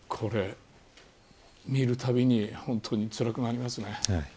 見るたびに本当につらくなりますね。